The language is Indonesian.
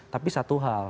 tapi satu hal